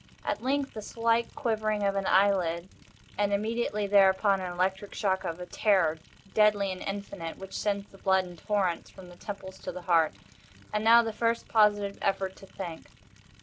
At length the slight quivering of an eyelid, and immediately thereupon, an electric shock of a terror, deadly and indefinite, which sends the blood in torrents from the temples to the heart. And now the first positive effort to think.